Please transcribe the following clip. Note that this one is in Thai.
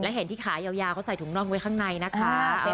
เห็นที่ขายาวเขาใส่ถุงน่องไว้ข้างในนะคะ